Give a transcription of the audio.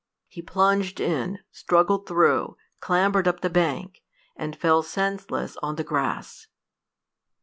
He plunged in, struggled through, clambered up the bank, and fell senseless on the grass.